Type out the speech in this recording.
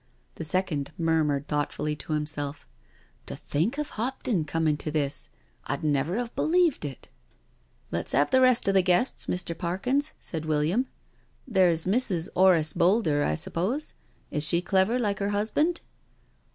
The second murmured thoughtfully to hunself: " To think of Hopton coming to this I I'd never 'ave believed it I'* " Let's have the rest of the guests^ Mr, Parkins," said William. " There's Mrs. 'Orace Boulder, I sup pose? Is she clever, like her husband?"